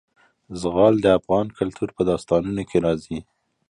زغال د افغان کلتور په داستانونو کې راځي.